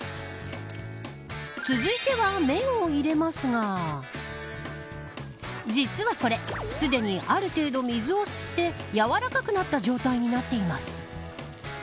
続いては麺を入れますが実はこれすでにある程度、水を吸ってやわらかくなった状態になっています。